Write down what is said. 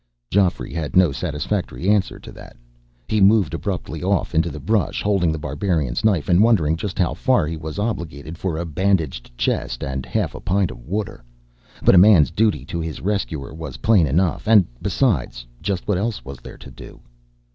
Geoffrey had no satisfactory answer to that. He moved abruptly off into the brush, holding The Barbarian's knife, and wondering just how far he was obligated for a bandaged chest and half a pint of water. But a man's duty to his rescuer was plain enough, and, besides, just what else was there to do?